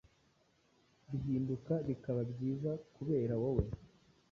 bihinduka bikaba byiza kubera wowe.